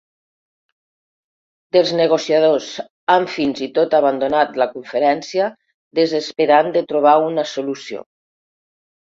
Dels negociadors han fins i tot abandonat la Conferència, desesperant de trobar una solució.